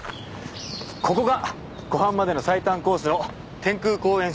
ここが湖畔までの最短コースの天空公園